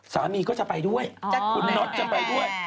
สามีก็จะไปด้วยคุณน็อตจะไปด้วย